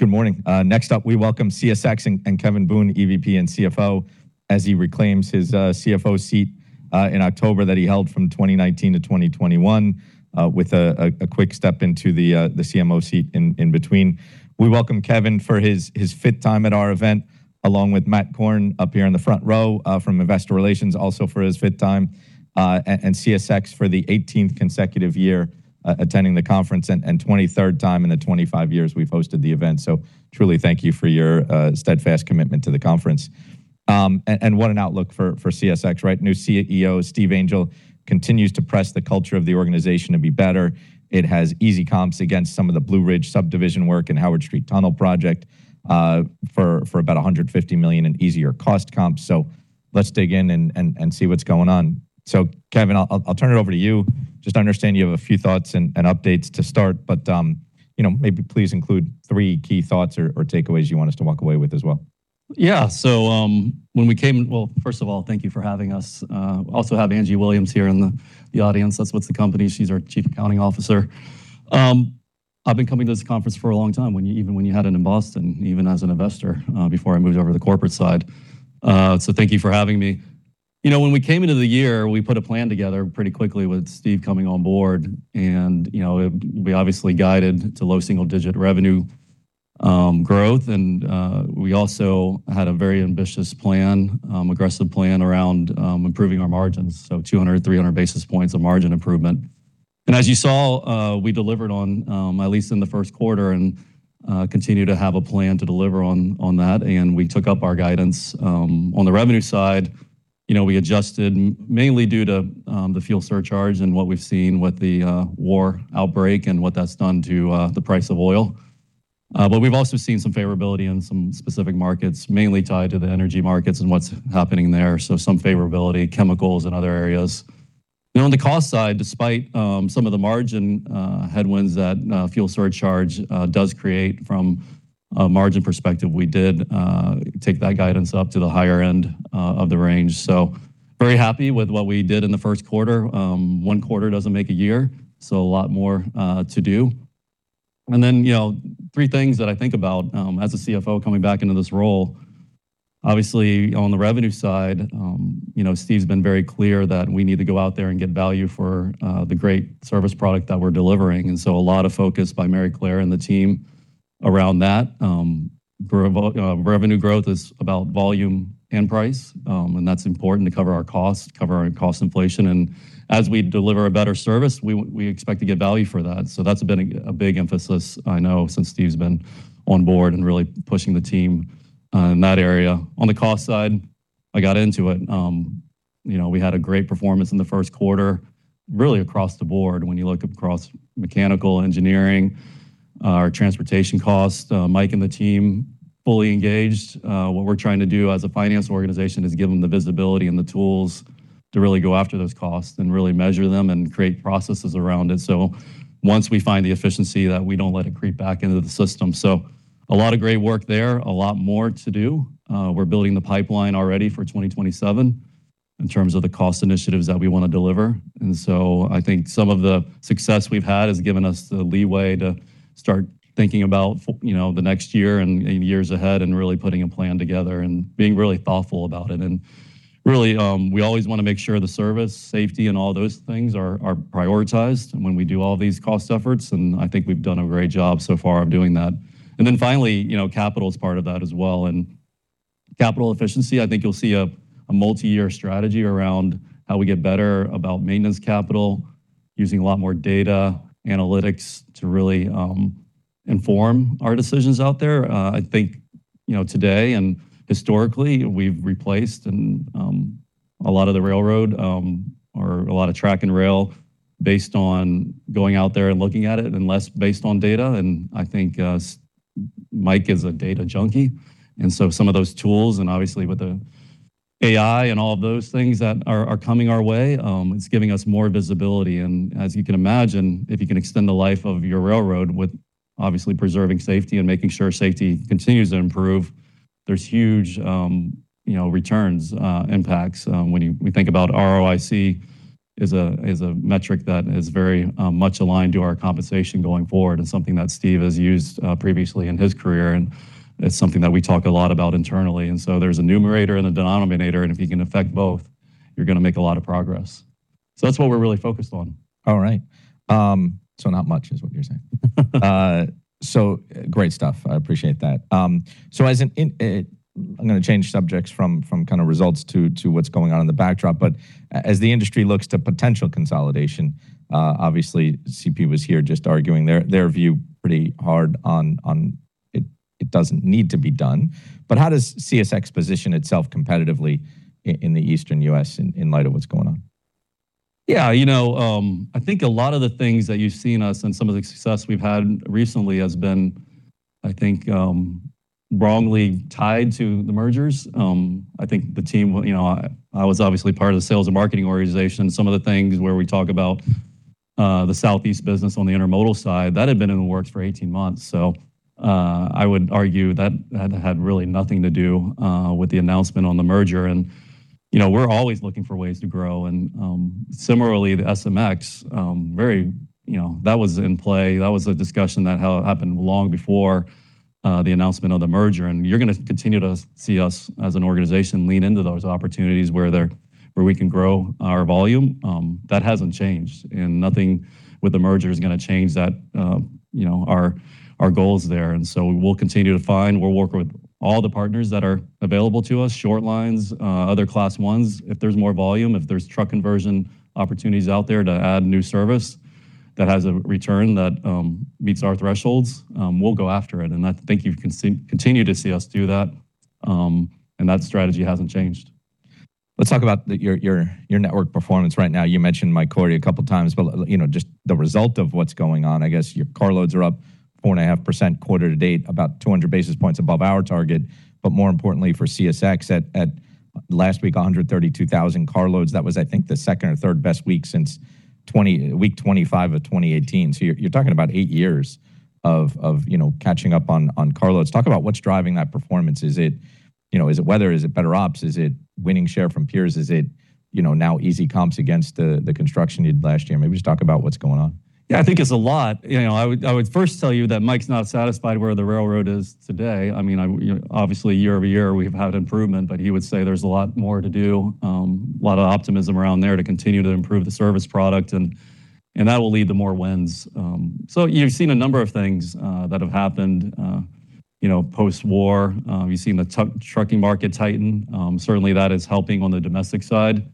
Good morning. Next up, we welcome CSX and Kevin Boone, EVP and CFO, as he reclaims his CFO seat in October that he held from 2019-2021 with a quick step into the CMO seat in between. We welcome Kevin for his fifth time at our event, along with Matt Korn up here in the front row from Investor Relations, also for his fifth time, and CSX for the 18th consecutive year attending the conference and 23rd time in the 25 years we've hosted the event. Truly thank you for your steadfast commitment to the conference. What an outlook for CSX, right? New CEO Steve Angel continues to press the culture of the organization to be better. It has easy comps against some of the Blue Ridge subdivision work and Howard Street Tunnel project for about $150 million in easier cost comps. Let's dig in and see what's going on. Kevin, I'll turn it over to you. Just understand you have a few thoughts and updates to start, but, you know, maybe please include three key thoughts or takeaways you want us to walk away with as well. Yeah. First of all, thank you for having us. Also have Angie Williams here in the audience. That's with the company. She's our Chief Accounting Officer. I've been coming to this conference for a long time, even when you had it in Boston, even as an investor, before I moved over to the corporate side. Thank you for having me. You know, when we came into the year, we put a plan together pretty quickly with Steve coming on board and, you know, we obviously guided to low-single-digit revenue growth and we also had a very ambitious plan, aggressive plan around improving our margins, 200 basis points, 300 basis points of margin improvement. As you saw, we delivered on, at least in the first quarter and continue to have a plan to deliver on that, and we took up our guidance. On the revenue side, you know, we adjusted mainly due to the fuel surcharge and what we've seen with the war outbreak and what that's done to the price of oil. We've also seen some favorability in some specific markets, mainly tied to the energy markets and what's happening there. Some favorability, chemicals and other areas. You know, on the cost side, despite some of the margin headwinds that fuel surcharge does create from a margin perspective, we did take that guidance up to the higher end of the range. Very happy with what we did in the first quarter. One quarter doesn't make a year, a lot more to do. You know, three things that I think about as a CFO coming back into this role. Obviously on the revenue side, you know, Steve's been very clear that we need to go out there and get value for the great service product that we're delivering, a lot of focus by Maryclare Kenney and the team around that. Revenue growth is about volume and price, that's important to cover our costs, cover our cost inflation, and as we deliver a better service, we expect to get value for that. That's been a big emphasis, I know, since Steve's been on board and really pushing the team in that area. On the cost side, I got into it. You know, we had a great performance in the first quarter, really across the board when you look across mechanical engineering, our transportation cost. Mike and the team fully engaged. What we're trying to do as a finance organization is give them the visibility and the tools to really go after those costs and really measure them and create processes around it. Once we find the efficiency that we don't let it creep back into the system. A lot of great work there. A lot more to do. We're building the pipeline already for 2027 in terms of the cost initiatives that we want to deliver. I think some of the success we've had has given us the leeway to start thinking about you know, the next year and years ahead and really putting a plan together and being really thoughtful about it. Really, we always want to make sure the service, safety, and all those things are prioritized and when we do all these cost efforts, and I think we've done a great job so far of doing that. Finally, you know, capital is part of that as well. Capital efficiency, I think you'll see a multi-year strategy around how we get better about maintenance capital, using a lot more data analytics to really inform our decisions out there. I think, you know, today and historically, we've replaced and a lot of the railroad, or a lot of track and rail based on going out there and looking at it and less based on data. I think Mike is a data junkie, and so some of those tools, and obviously with the AI and all of those things that are coming our way, it's giving us more visibility. As you can imagine, if you can extend the life of your railroad with obviously preserving safety and making sure safety continues to improve, there's huge, you know, returns, impacts, when we think about ROIC is a, is a metric that is very much aligned to our compensation going forward and something that Steve has used previously in his career, and it's something that we talk a lot about internally. There's a numerator and a denominator, and if you can affect both, you're gonna make a lot of progress. That's what we're really focused on. All right. Not much is what you're saying. Great stuff. I appreciate that. As I'm gonna change subjects from kind of results to what's going on in the backdrop, but as the industry looks to potential consolidation, obviously CPKC was here just arguing their view pretty hard on it doesn't need to be done. How does CSX position itself competitively in the Eastern U.S. in light of what's going on? You know, I think a lot of the things that you've seen us and some of the success we've had recently has been, I think, wrongly tied to the mergers. I think the team, you know, I was obviously part of the sales and marketing organization. Some of the things where we talk about, the Southeast business on the intermodal side, that had been in the works for 18 months. I would argue that had really nothing to do with the announcement on the merger. You know, we're always looking for ways to grow and, similarly, the SMX, You know, that was in play. That was a discussion that happened long before the announcement of the merger, and you're gonna continue to see us as an organization lean into those opportunities where we can grow our volume. That hasn't changed, and nothing with the merger is gonna change that, you know, our goals there. We will continue to find. We'll work with all the partners that are available to us, short lines, other Class 1s. If there's more volume, if there's truck conversion opportunities out there to add new service that has a return that meets our thresholds, we'll go after it. I think you can continue to see us do that, and that strategy hasn't changed. Let's talk about your network performance right now. You mentioned Mike Cory a couple times, you know, just the result of what's going on. I guess your carloads are up 4.5% quarter-to-date, about 200 basis points above our target. More importantly for CSX at last week, 132,000 carloads. That was, I think, the second or third best week since week 25 of 2018. You're talking about eight years of, you know, catching up on carloads. Talk about what's driving that performance. Is it, you know, is it weather? Is it better ops? Is it winning share from peers? Is it, you know, now easy comps against the construction you did last year? Maybe just talk about what's going on. I think it's a lot. You know, I would first tell you that Mike's not satisfied where the railroad is today. I mean, obviously, year-over-year we've had improvement, but he would say there's a lot more to do. A lot of optimism around there to continue to improve the service product and that will lead to more wins. You've seen a number of things that have happened, you know, post-war. You've seen the trucking market tighten. Certainly, that is helping on the domestic side.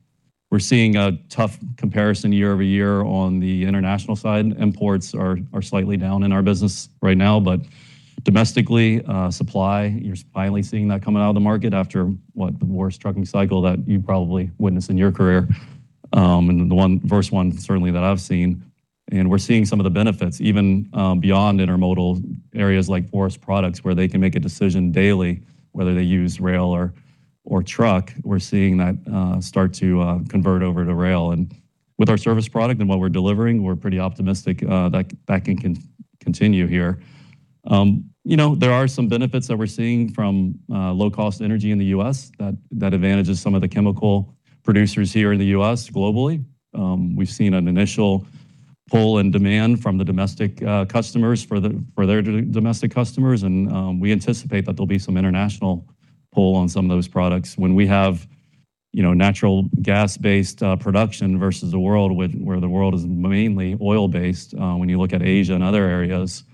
We're seeing a tough comparison year-over-year on the international side. Imports are slightly down in our business right now. Domestically, supply, you're finally seeing that coming out of the market after the worst trucking cycle that you probably witnessed in your career. The first one certainly that I've seen. We're seeing some of the benefits even beyond intermodal areas like forest products, where they can make a decision daily whether they use rail or truck. We're seeing that start to convert over to rail. With our service product and what we're delivering, we're pretty optimistic that can continue here. You know, there are some benefits that we're seeing from low cost energy in the U.S. that advantages some of the chemical producers here in the U.S. globally. We've seen an initial pull in demand from the domestic customers for their domestic customers and we anticipate that there'll be some international pull on some of those products. When we have, you know, natural gas-based production versus a world where the world is mainly oil-based, when you look at Asia and other areas,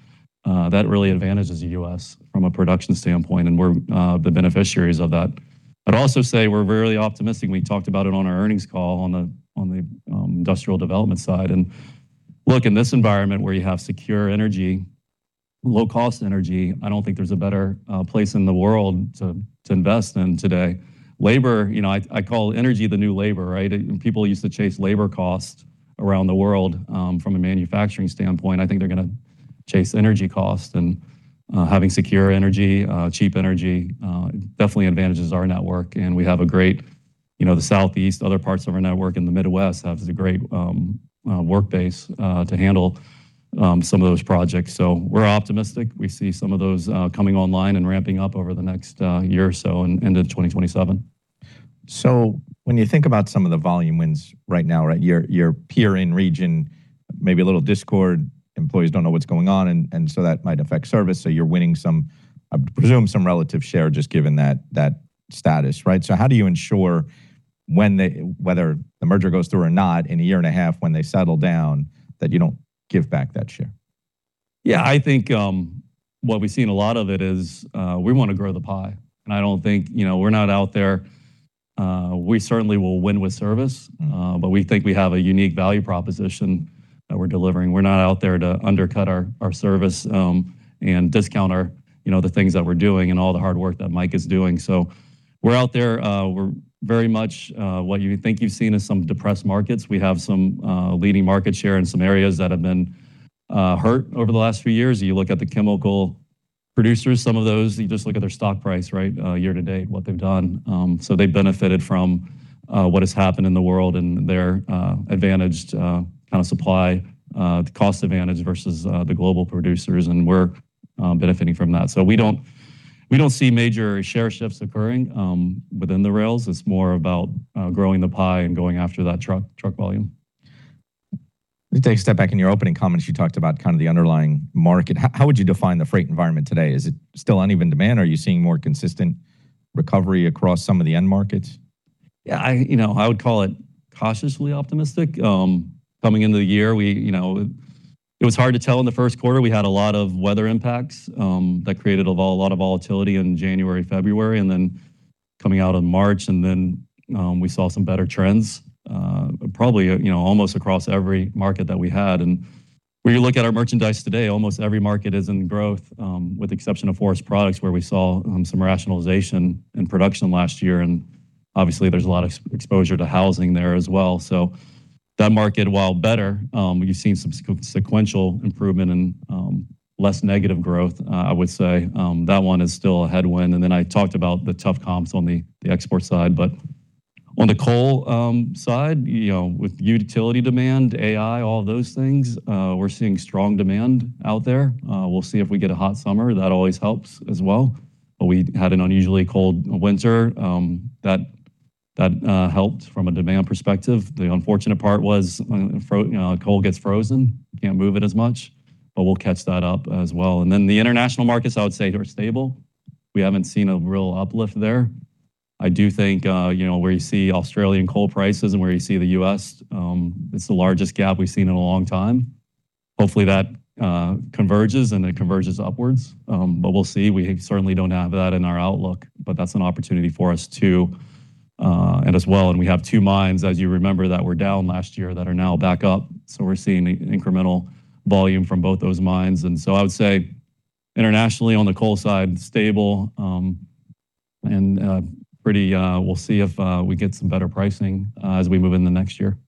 that really advantages the U.S. from a production standpoint, and we're the beneficiaries of that. I'd also say we're very optimistic. We talked about it on our earnings call on the industrial development side. Look, in this environment where you have secure energy, low cost energy, I don't think there's a better place in the world to invest in today. Labor, you know, I call energy the new labor, right? People used to chase labor cost around the world. From a manufacturing standpoint, I think they're gonna chase energy cost and having secure energy, cheap energy, definitely advantages our network. We have a great, you know, the Southeast, other parts of our network in the Midwest have a great work base to handle some of those projects. We're optimistic. We see some of those coming online and ramping up over the next year or so and into 2027. When you think about some of the volume wins right now, right? Your peer in region, maybe a little discord, employees don't know what's going on, and so that might affect service. You're winning some, I presume, some relative share just given that status, right? How do you ensure when whether the merger goes through or not in a year and a half when they settle down, that you don't give back that share? Yeah, I think, what we've seen a lot of it is, we want to grow the pie. I don't think, you know, we're not out there. We certainly will win with service, but we think we have a unique value proposition that we're delivering. We're not out there to undercut our service, and discount our, you know, the things that we're doing and all the hard work that Mike is doing. We're out there. We're very much, what you think you've seen is some depressed markets. We have some leading market share in some areas that have been hurt over the last few years. You look at the chemical producers, some of those, you just look at their stock price, right? Year-to-date, what they've done. They've benefited from what has happened in the world and their advantaged kind of supply cost advantage versus the global producers, and we're benefiting from that. We don't see major share shifts occurring within the rails. It's more about growing the pie and going after that truck volume. Let me take a step back. In your opening comments, you talked about kind of the underlying market. How would you define the freight environment today? Is it still uneven demand? Are you seeing more consistent recovery across some of the end markets? I, you know, I would call it cautiously optimistic. Coming into the year, we, you know. It was hard to tell in the first quarter. We had a lot of weather impacts that created a lot of volatility in January, February, and then coming out in March, and then we saw some better trends, probably, you know, almost across every market that we had. When you look at our merchandise today, almost every market is in growth with the exception of forest products, where we saw some rationalization in production last year. Obviously, there's a lot of exposure to housing there as well. That market, while better, you've seen some sequential improvement and less negative growth, I would say. That one is still a headwind. I talked about the tough comps on the export side. On the coal side, you know, with utility demand, AI, all of those things, we're seeing strong demand out there. We'll see if we get a hot summer. That always helps as well. We had an unusually cold winter, that helped from a demand perspective. The unfortunate part was when you know, coal gets frozen, can't move it as much, we'll catch that up as well. The international markets, I would say are stable. We haven't seen a real uplift there. I do think, you know, where you see Australian coal prices and where you see the U.S., it's the largest gap we've seen in a long time. Hopefully that converges and it converges upwards. We'll see. We certainly don't have that in our outlook, but that's an opportunity for us too, and as well. We have two mines, as you remember, that were down last year that are now back up. We're seeing incremental volume from both those mines. I would say internationally on the coal side, stable, and pretty. We'll see if we get some better pricing as we move into next year.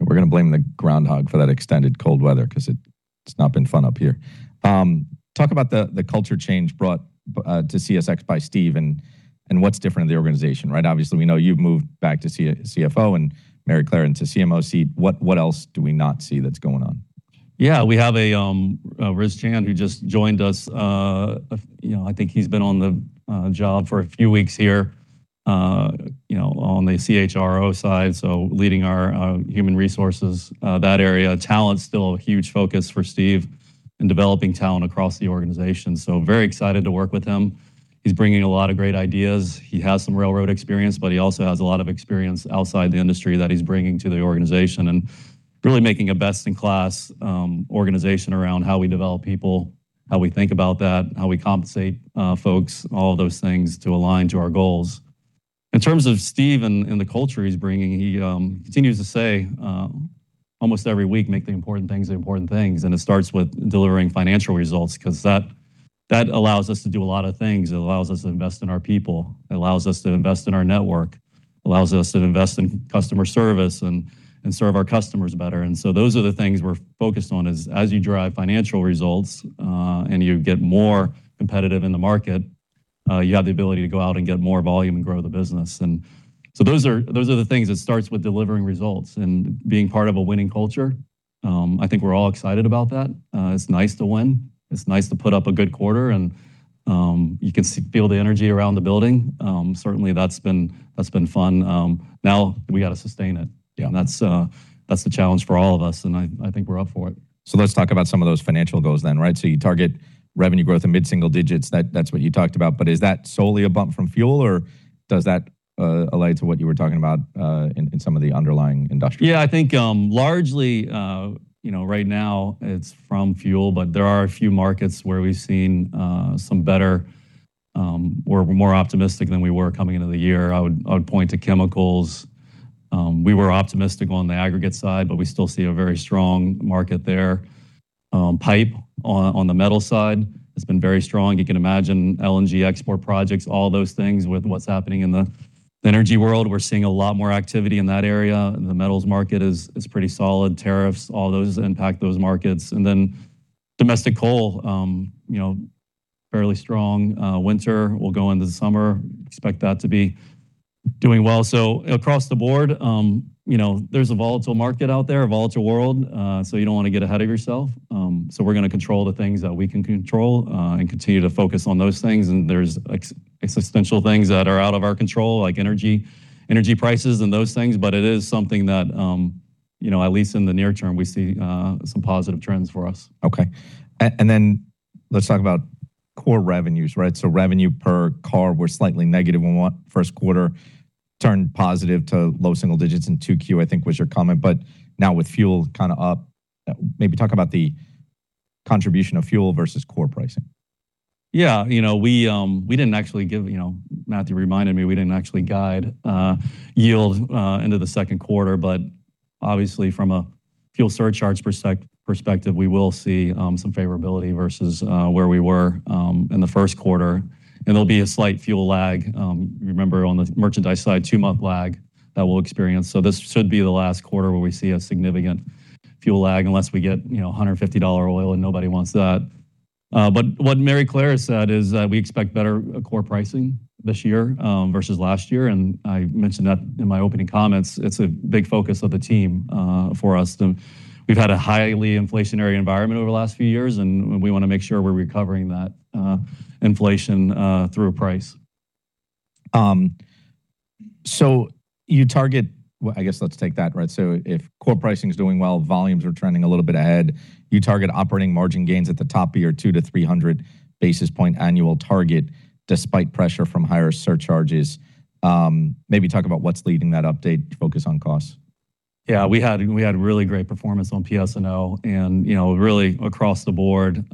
We're gonna blame the groundhog for that extended cold weather because it's not been fun up here. Talk about the culture change brought to CSX by Stephen and what's different in the organization, right? Obviously, we know you've moved back to CFO and Maryclare into CMO seat. What else do we not see that's going on? We have a Riz Chand, who just joined us. You know, I think he's been on the job for a few weeks here, you know, on the CHRO side, so leading our human resources, that area. Talent's still a huge focus for Steve and developing talent across the organization. Very excited to work with him. He's bringing a lot of great ideas. He has some railroad experience, but he also has a lot of experience outside the industry that he's bringing to the organization and really making a best-in-class organization around how we develop people, how we think about that, how we compensate folks, all those things to align to our goals. In terms of Stephen and the culture he's bringing, he continues to say almost every week, make the important things the important things. It starts with delivering financial results because that allows us to do a lot of things. It allows us to invest in our people. It allows us to invest in our network. It allows us to invest in customer service and serve our customers better. Those are the things we're focused on is as you drive financial results and you get more competitive in the market, you have the ability to go out and get more volume and grow the business. Those are the things that starts with delivering results and being part of a winning culture. I think we're all excited about that. It's nice to win. It's nice to put up a good quarter and you can feel the energy around the building. Certainly that's been fun. Now we got to sustain it. Yeah. That's, that's the challenge for all of us, and I think we're up for it. Let's talk about some of those financial goals then, right? You target revenue growth in mid-single digits. That's what you talked about. Is that solely a bump from fuel, or does that allude to what you were talking about in some of the underlying industries? I think, largely, right now it's from fuel. There are a few markets where we've seen some better, or we're more optimistic than we were coming into the year. I would point to chemicals. We were optimistic on the aggregate side. We still see a very strong market there. Pipe on the metal side has been very strong. You can imagine LNG export projects, all those things with what's happening in the energy world. We're seeing a lot more activity in that area. The metals market is pretty solid. Tariffs, all those impact those markets. Domestic coal, fairly strong. Winter will go into the summer, expect that to be doing well. across the board, you know, there's a volatile market out there, a volatile world, you don't want to get ahead of yourself. We're going to control the things that we can control, and continue to focus on those things. There's existential things that are out of our control, like energy prices and those things. It is something that, you know, at least in the near term, we see some positive trends for us. Let's talk about core revenues, right? Revenue per car were slightly negative in what first quarter, turned positive to low single digits in 2Q, I think was your comment. Now with fuel kind of up, maybe talk about the contribution of fuel versus core pricing. Yeah, you know, Matthew reminded me we didn't actually guide yield into the second quarter. Obviously from a fuel surcharges perspective, we will see some favorability versus where we were in the first quarter. There'll be a slight fuel lag, remember on the merchandise side, two-month lag that we'll experience. This should be the last quarter where we see a significant fuel lag unless we get, you know, $150 oil and nobody wants that. What Maryclare said is that we expect better core pricing this year versus last year. I mentioned that in my opening comments. It's a big focus of the team for us. We've had a highly inflationary environment over the last few years, and we want to make sure we're recovering that inflation through price. Well, I guess let's take that, right? If core pricing is doing well, volumes are trending a little bit ahead. You target operating margin gains at the top of your 200 basis points-300 basis point annual target despite pressure from higher surcharges. Maybe talk about what's leading that update focus on costs. Yeah, we had really great performance on PS&O and, you know, really across the board,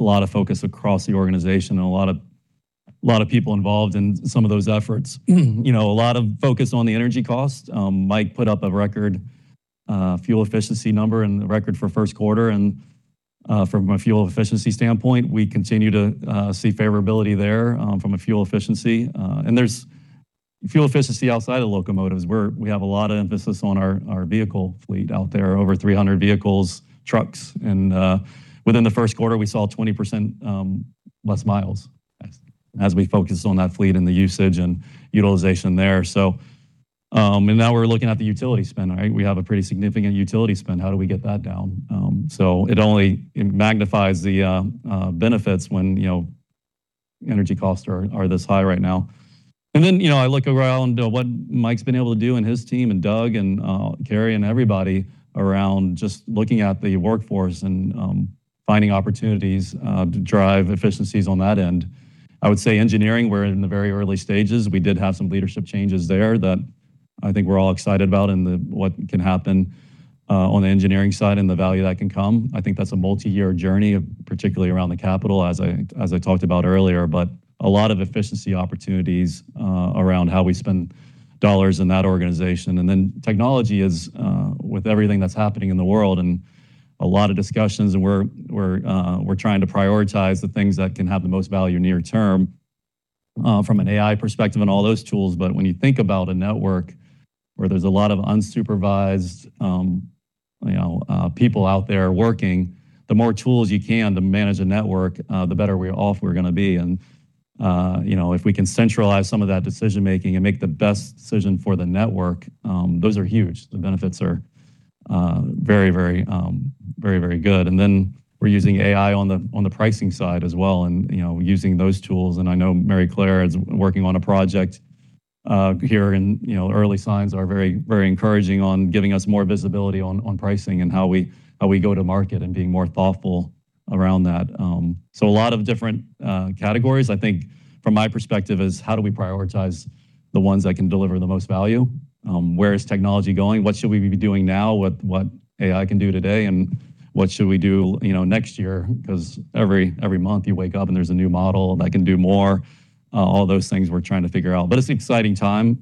a lot of focus across the organization and a lot of people involved in some of those efforts. You know, a lot of focus on the energy cost. Mike put up a record fuel efficiency number and the record for first quarter. From a fuel efficiency standpoint, we continue to see favorability there from a fuel efficiency. There's fuel efficiency outside of locomotives, we have a lot of emphasis on our vehicle fleet out there, over 300 vehicles, trucks. Within the first quarter, we saw 20% less miles as we focus on that fleet and the usage and utilization there. Now we're looking at the utility spend, right? We have a pretty significant utility spend. How do we get that down? So it only, it magnifies the benefits when, you know, energy costs are this high right now. Then, you know, I look around at what Mike's been able to do and his team, and Doug and Gary and everybody around just looking at the workforce and finding opportunities to drive efficiencies on that end. I would say engineering, we're in the very early stages. We did have some leadership changes there that I think we're all excited about and what can happen on the engineering side and the value that can come. I think that's a multi-year journey, particularly around the capital as I talked about earlier. A lot of efficiency opportunities around how we spend dollars in that organization. Technology is, with everything that's happening in the world and a lot of discussions, we're trying to prioritize the things that can have the most value near term from an AI perspective and all those tools. When you think about a network where there's a lot of unsupervised, you know, people out there working, the more tools you can to manage a network, the better we off we're gonna be. You know, if we can centralize some of that decision-making and make the best decision for the network, those are huge. The benefits are very good. We're using AI on the, on the pricing side as well, you know, using those tools. I know Maryclare is working on a project here and, you know, early signs are very, very encouraging on pricing and how we go to market and being more thoughtful around that. A lot of different categories. I think from my perspective is how do we prioritize the ones that can deliver the most value? Where is technology going? What should we be doing now? What AI can do today, and what should we do, you know, next year? 'Cause every month you wake up and there's a new model that can do more. All those things we're trying to figure out. It's an exciting time.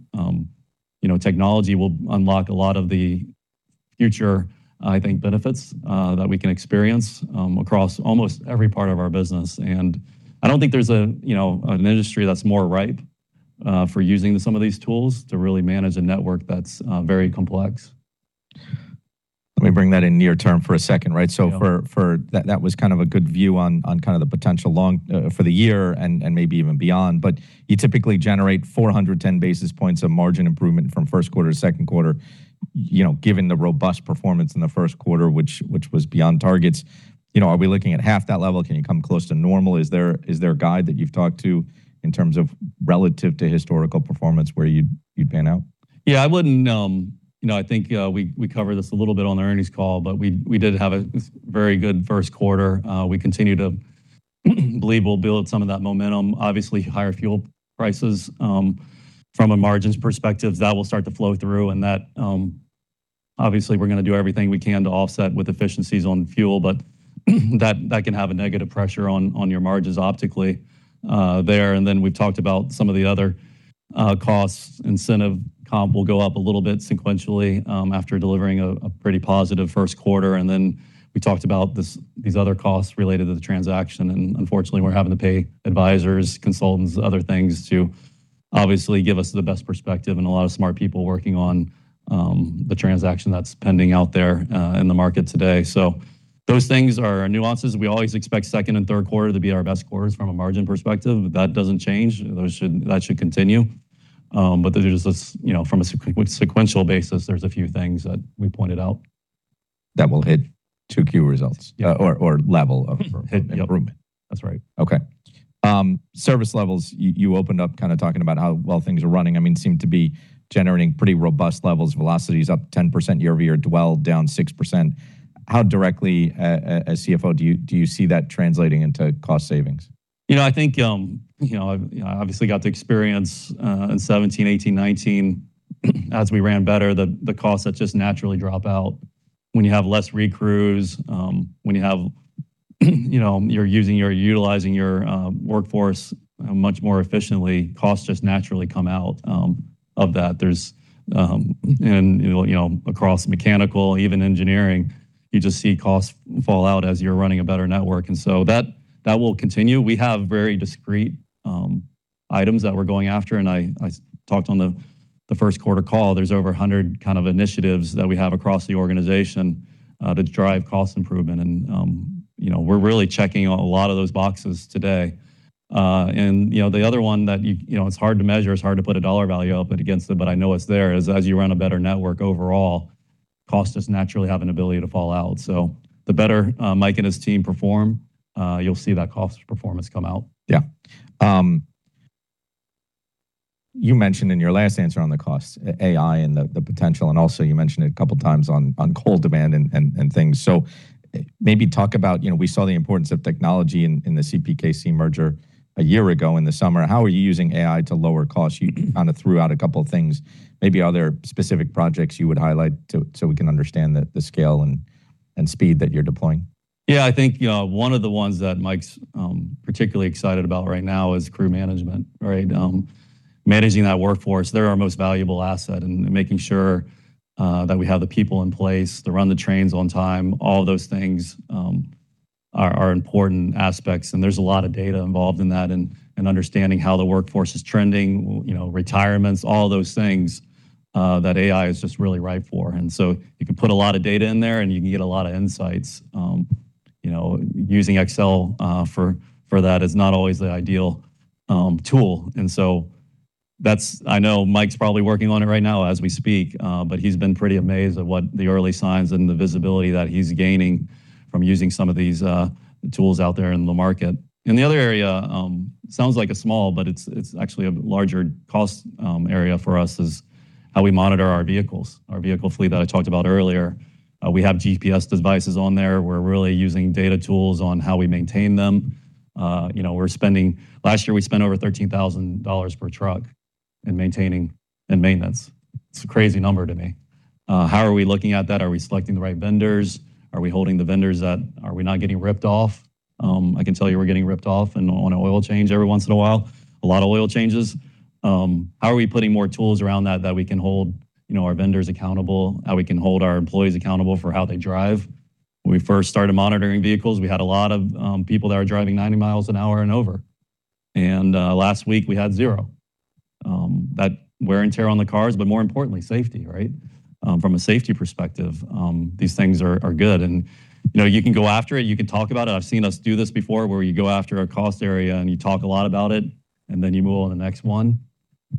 You know, technology will unlock a lot of the future, I think, benefits that we can experience across almost every part of our business. I don't think there's a, you know, an industry that's more ripe for using some of these tools to really manage a network that's very complex. Let me bring that in near term for a second, right? Yeah. That was kind of a good view on kind of the potential long for the year and maybe even beyond. You typically generate 410 basis points of margin improvement from first quarter to second quarter. You know, given the robust performance in the first quarter, which was beyond targets, you know, are we looking at half that level? Can you come close to normal? Is there a guide that you've talked to in terms of relative to historical performance where you'd pan out? Yeah, I wouldn't, you know, I think we covered this a little bit on the earnings call, but we did have a very good first quarter. We continue to believe we'll build some of that momentum. Obviously, higher fuel prices, from a margins perspective, that will start to flow through and that, obviously, we're gonna do everything we can to offset with efficiencies on fuel, but that can have a negative pressure on your margins optically there. We've talked about some of the other costs. Incentive comp will go up a little bit sequentially after delivering a pretty positive first quarter. We talked about these other costs related to the transaction. Unfortunately, we're having to pay advisors, consultants, other things to obviously give us the best perspective, and a lot of smart people working on the transaction that's pending out there in the market today. Those things are nuances. We always expect second and third quarter to be our best quarters from a margin perspective. That doesn't change. That should continue. But there's just this, you know, from a sequential basis, there's a few things that we pointed out. That will hit 2Q results. Yeah. level of improvement. Hit, yep. That's right. Okay. service levels, you opened up kind of talking about how well things are running. I mean, seem to be generating pretty robust levels. Velocity is up 10% year-over-year, dwell down 6%. How directly, as CFO do you see that translating into cost savings? You know, I think, you know, I've, you know, obviously got to experience in 2017, 2018, 2019 as we ran better, the costs that just naturally drop out when you have less recrews, when you have, you know, you're using, you're utilizing your workforce much more efficiently, costs just naturally come out of that. There's. You know, you know, across mechanical, even engineering, you just see costs fall out as you're running a better network. That, that will continue. We have very discrete items that we're going after, and I talked on the first quarter call, there's over 100 kind of initiatives that we have across the organization to drive cost improvement. You know, we're really checking a lot of those boxes today. You know, the other one that you know, it's hard to measure, it's hard to put a dollar value up against it, but I know it's there, is as you run a better network overall, costs just naturally have an ability to fall out. The better Mike and his team perform, you'll see that cost performance come out. You mentioned in your last answer on the cost, AI and the potential, and also you mentioned it a couple of times on coal demand and things. Maybe talk about, you know, we saw the importance of technology in the CPKC merger a year ago in the summer. How are you using AI to lower costs? You kind of threw out a couple of things. Maybe are there specific projects you would highlight to, so we can understand the scale and speed that you're deploying? Yeah, I think, you know, one of the ones that Mike's particularly excited about right now is crew management, right? Managing that workforce, they're our most valuable asset, and making sure that we have the people in place to run the trains on time, all of those things are important aspects. There's a lot of data involved in that and understanding how the workforce is trending, you know, retirements, all those things that AI is just really right for. You can put a lot of data in there, and you can get a lot of insights. You know, using Excel for that is not always the ideal tool. I know Mike's probably working on it right now as we speak, but he's been pretty amazed at what the early signs and the visibility that he's gaining from using some of these tools out there in the market. The other area, sounds like a small, but it's actually a larger cost area for us, is how we monitor our vehicles, our vehicle fleet that I talked about earlier. We have GPS devices on there. We're really using data tools on how we maintain them. You know, last year we spent over $13,000 per truck in maintenance. It's a crazy number to me. How are we looking at that? Are we selecting the right vendors? Are we not getting ripped off? I can tell you we're getting ripped off on an oil change every once in a while. A lot of oil changes. How are we putting more tools around that we can hold, you know, our vendors accountable? How we can hold our employees accountable for how they drive? When we first started monitoring vehicles, we had a lot of people that were driving 90 mph and over, and last week we had zero. That wear and tear on the cars, but more importantly, safety, right? From a safety perspective, these things are good. You know, you can go after it, you can talk about it. I've seen us do this before where you go after a cost area and you talk a lot about it, and then you move on the next one,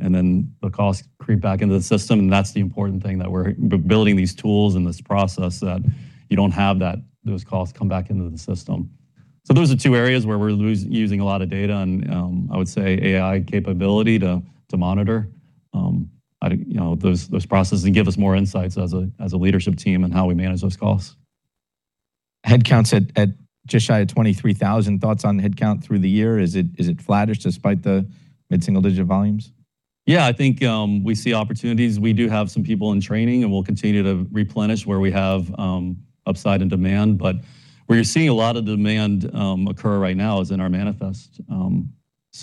and then the costs creep back into the system. That's the important thing that we're building these tools and this process that you don't have that, those costs come back into the system. Those are two areas where we're using a lot of data and I would say AI capability to monitor, you know, those processes and give us more insights as a leadership team on how we manage those costs. Headcount's at just shy of 23,000. Thoughts on headcount through the year. Is it flattish despite the mid-single digit volumes? I think we see opportunities. We do have some people in training, and we'll continue to replenish where we have upside in demand. Where you're seeing a lot of demand occur right now is in our manifest.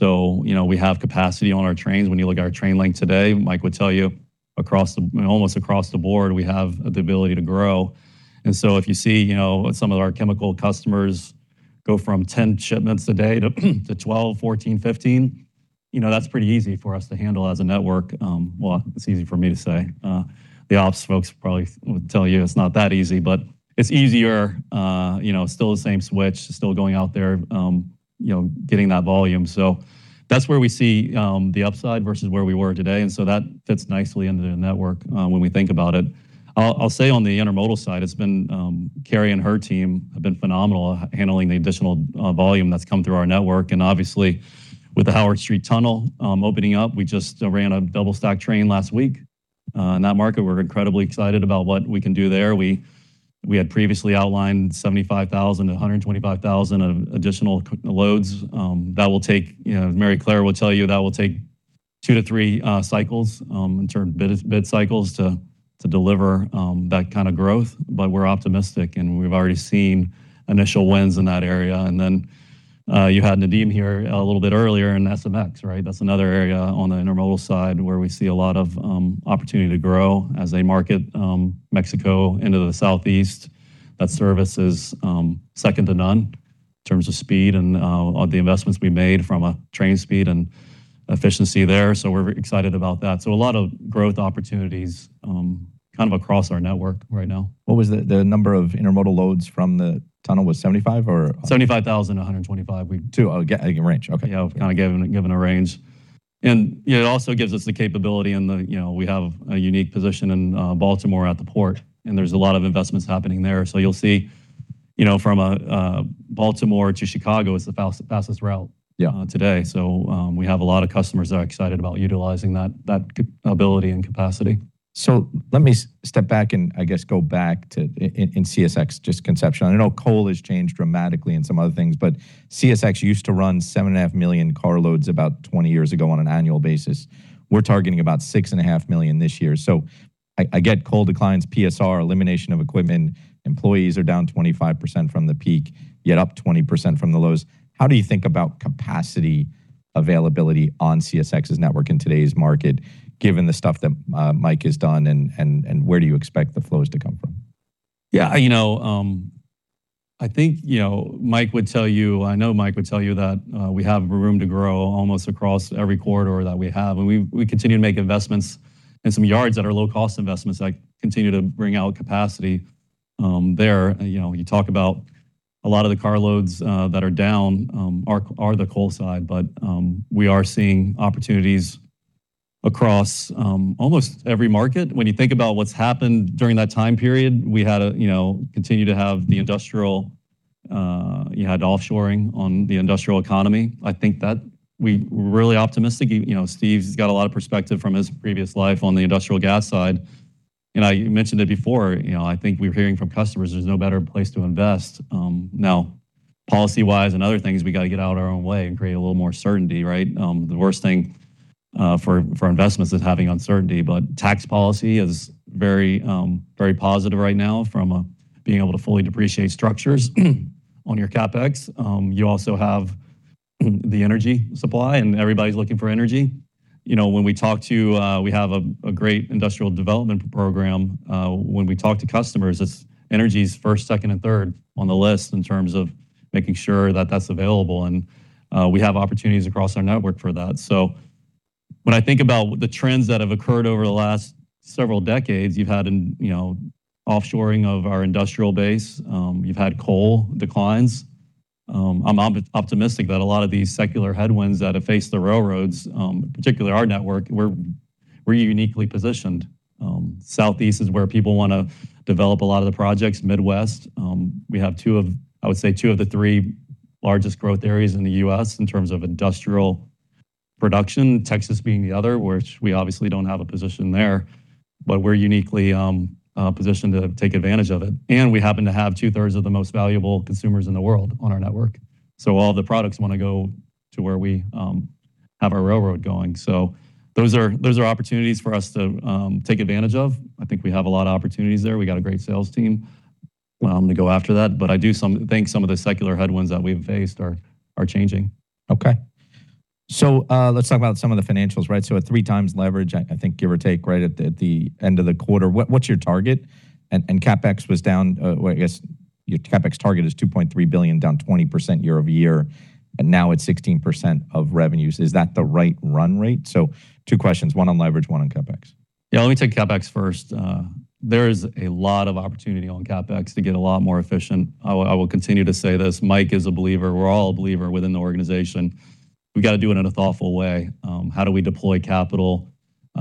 You know, we have capacity on our trains. When you look at our train length today, Mike would tell you, almost across the board, we have the ability to grow. If you see, you know, some of our chemical customers go from 10 shipments a day to 12, 14, 15, you know, that's pretty easy for us to handle as a network. Well, it's easy for me to say. The ops folks probably would tell you it's not that easy, but it's easier. You know, still the same switch, still going out there, you know, getting that volume. That's where we see the upside versus where we were today. That fits nicely into the network when we think about it. I'll say on the intermodal side, it's been Carrie and her team have been phenomenal handling the additional volume that's come through our network. Obviously with the Howard Street Tunnel opening up, we just ran a double-stack train last week. In that market, we're incredibly excited about what we can do there. We had previously outlined 75,000-125,000 of additional loads, You know, Maryclare will tell you that will take two to three cycles in terms of bid cycles to deliver that kind of growth. We're optimistic, and we've already seen initial wins in that area. You had Nadeem here a little bit earlier in SMX, right? That's another area on the intermodal side where we see a lot of opportunity to grow as they market Mexico into the southeast. That service is second to none in terms of speed and the investments we made from a train speed and efficiency there. We're excited about that. A lot of growth opportunities kind of across our network right now. What was the number of intermodal loads from the tunnel was 75 or? 75,000, a 125,000 we- Two. Oh, yeah, like a range. Okay. Yeah. Kind of giving a range. It also gives us the capability and the, you know, we have a unique position in Baltimore at the port, and there's a lot of investments happening there. You'll see, you know, from Baltimore to Chicago is the fastest route. Yeah today. We have a lot of customers that are excited about utilizing that ability and capacity. Let me step back and I guess go back to, in CSX just conception. I know coal has changed dramatically and some other things, but CSX used to run 7.5 million carloads about 20 years ago on an annual basis. We're targeting about 6.5 million this year. I get coal declines, PSR, elimination of equipment, employees are down 25% from the peak, yet up 20% from the lows. How do you think about capacity availability on CSX's network in today's market, given the stuff that Mike has done, and where do you expect the flows to come from? Yeah. You know, I think, you know, Mike would tell you that we have room to grow almost across every corridor that we have. We continue to make investments in some yards that are low cost investments, like continue to wring out capacity there. You know, you talk about a lot of the carloads that are down are the coal side. We are seeing opportunities across almost every market. When you think about what's happened during that time period, you know, continue to have the industrial, you had offshoring on the industrial economy. I think that we're really optimistic. You know, Steve's got a lot of perspective from his previous life on the industrial gas side. You know, you mentioned it before, you know, I think we're hearing from customers there's no better place to invest. Now policy-wise and other things, we got to get out of our own way and create a little more certainty, right? The worst thing for investments is having uncertainty. Tax policy is very, very positive right now from a being able to fully depreciate structures on your CapEx. You also have the energy supply and everybody's looking for energy. You know, when we talk to, we have a great industrial development program. When we talk to customers, it's energy's first, second and third on the list in terms of making sure that that's available and we have opportunities across our network for that. When I think about the trends that have occurred over the last several decades, you've had an offshoring of our industrial base, you've had coal declines. I'm optimistic that a lot of these secular headwinds that have faced the railroads, particularly our network, we're uniquely positioned. Southeast is where people wanna develop a lot of the projects. Midwest, we have two of the three largest growth areas in the U.S. in terms of industrial production. Texas being the other, which we obviously don't have a position there, but we're uniquely positioned to take advantage of it. We happen to have 2/3 of the most valuable consumers in the world on our network. All the products wanna go to where we have our railroad going. Those are opportunities for us to take advantage of. I think we have a lot of opportunities there. We got a great sales team to go after that. I think some of the secular headwinds that we've faced are changing. Okay. Let's talk about some of the financials, right? At 3x leverage, I think, give or take, right at the end of the quarter. What's your target? CapEx was down, your CapEx target is $2.3 billion, down 20% year-over-year, and now it's 16% of revenues. Is that the right run rate? Two questions, one on leverage, one on CapEx. Let me take CapEx first. There is a lot of opportunity on CapEx to get a lot more efficient. I will continue to say this. Mike is a believer. We're all a believer within the organization. We gotta do it in a thoughtful way. How do we deploy capital?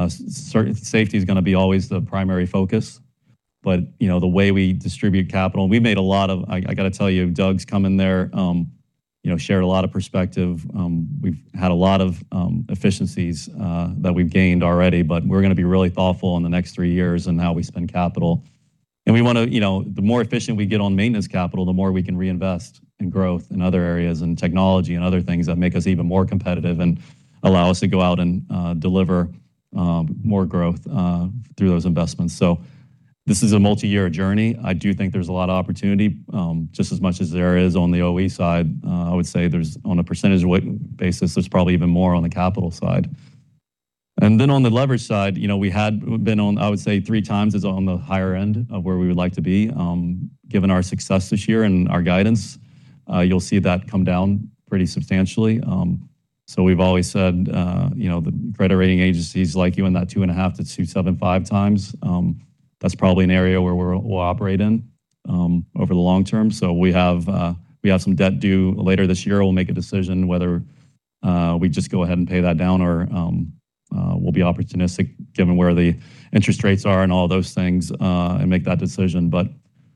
Safety is gonna be always the primary focus, but, you know, the way we distribute capital. We made a lot of I gotta tell you, Doug's come in there, you know, shared a lot of perspective. We've had a lot of efficiencies that we've gained already, but we're gonna be really thoughtful in the next three years in how we spend capital. We want to, you know, the more efficient we get on maintenance capital, the more we can reinvest in growth in other areas and technology and other things that make us even more competitive and allow us to go out and deliver more growth through those investments. This is a multi-year journey. I do think there's a lot of opportunity just as much as there is on the OE side. I would say there's, on a percentage basis, there's probably even more on the capital side. On the leverage side, you know, we had been on, I would say 3x is on the higher end of where we would like to be. Given our success this year and our guidance, you'll see that come down pretty substantially. We've always said, you know, the credit rating agencies like you in that 2.5x-2.75x. That's probably an area where we'll operate in over the long term. We have some debt due later this year. We'll make a decision whether we just go ahead and pay that down or we'll be opportunistic given where the interest rates are and all those things and make that decision.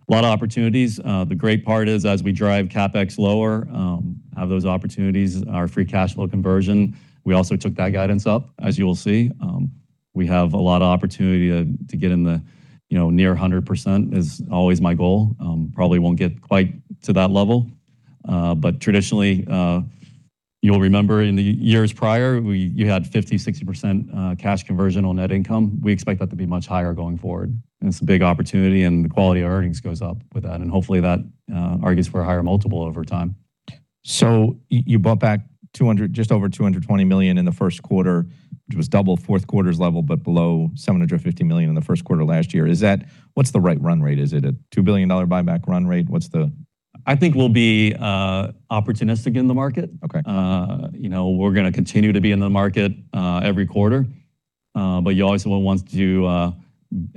A lot of opportunities. The great part is, as we drive CapEx lower, have those opportunities, our free cash flow conversion, we also took that guidance up, as you will see. We have a lot of opportunity to get in the, you know, near 100% is always my goal. Probably won't get quite to that level. Traditionally, you'll remember in the years prior, you had 50%, 60% cash conversion on net income. We expect that to be much higher going forward. It's a big opportunity, and the quality of earnings goes up with that. Hopefully that argues for a higher multiple over time. You bought back $200 million, just over $220 million in the first quarter, which was double fourth quarter's level, but below $750 million in the first quarter last year. Is that? What's the right run rate? Is it a $2 billion buyback run rate? I think we'll be opportunistic in the market. Okay. You know, we're gonna continue to be in the market every quarter. You always will want to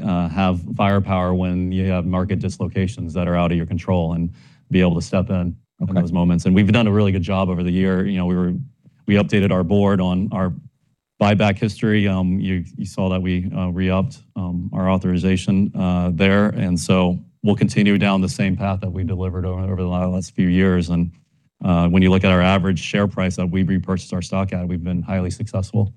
have firepower when you have market dislocations that are out of your control and be able to step in. Okay in those moments. We've done a really good job over the year. You know, we updated our board on our buyback history. You, you saw that we re-upped our authorization there. We'll continue down the same path that we delivered over the last few years. When you look at our average share price that we've repurchased our stock at, we've been highly successful.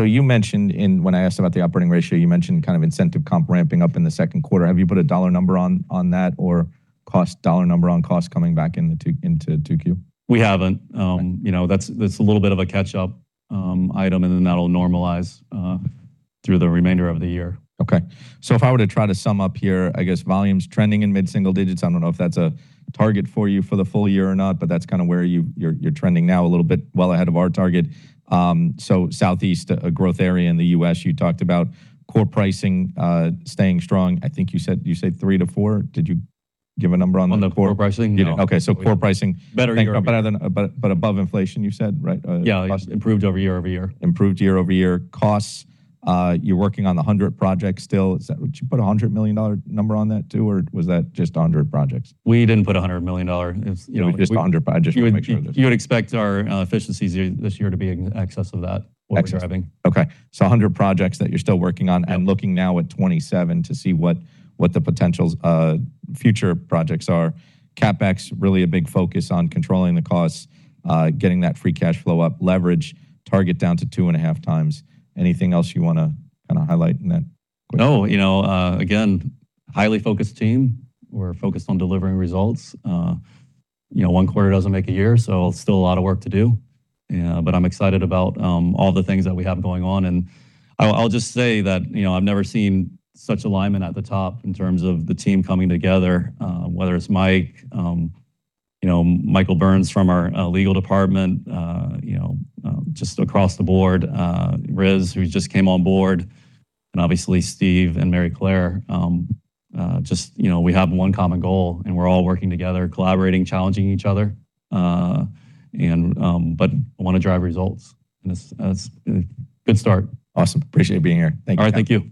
You mentioned in, when I asked about the operating ratio, you mentioned kind of incentive comp ramping up in the second quarter. Have you put a dollar number on that or cost dollar number on cost coming back into 2Q? We haven't. You know, that's a little bit of a catch-up item. That'll normalize through the remainder of the year. If I were to try to sum up here, I guess volume's trending in mid-single digits. I don't know if that's a target for you for the full year or not, but that's kind of where you're trending now, a little bit well ahead of our target. Southeast, a growth area in the U.S., you talked about core pricing staying strong. I think you said three to four. Did you give a number on the- On the core pricing? No. Okay. core pricing. Better year-over-year. Above inflation, you said, right? Yeah. Plus- Improved over year-over-year. Improved year-over-year costs. You're working on the 100 projects still. Would you put a $100 million number on that too, or was that just 100 projects? We didn't put $100 million. It's, you know. Just 100 projects, just to make sure. You would expect our efficiencies this year to be in excess of that. Excess What we're driving. Okay. 100 projects that you're still working on and looking now at 27 to see what the potential future projects are. CapEx, really a big focus on controlling the costs, getting that free cash flow up, leverage target down to 2.5x. Anything else you wanna kinda highlight in that quick? No. You know, again, highly focused team. We're focused on delivering results. You know, one quarter doesn't make a year, so still a lot of work to do. I'm excited about all the things that we have going on. I'll just say that, you know, I've never seen such alignment at the top in terms of the team coming together, whether it's Mike, you know, Michael Burns from our legal department, you know, just across the board, Riz, who's just came on board, and obviously Steve and Maryclare. Just, you know, we have one common goal, and we're all working together, collaborating, challenging each other, but wanna drive results, and it's, that's a good start. Awesome. Appreciate you being here. Thank you. All right. Thank you.